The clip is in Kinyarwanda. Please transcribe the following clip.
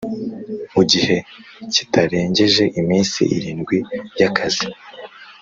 Mu gihe kitarengeje iminsi irindwi y akazi